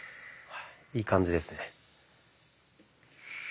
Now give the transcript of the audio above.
いい感じですね。